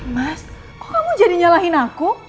mas kok kamu jadi nyalahin aku